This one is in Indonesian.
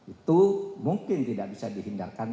itu mungkin tidak bisa dihindarkan